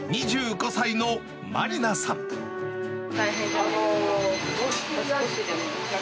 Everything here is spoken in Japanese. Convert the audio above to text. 大変じゃないですか。